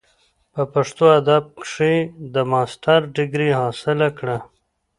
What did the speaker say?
پۀ پښتو ادب کښې د ماسټر ډګري حاصله کړه ۔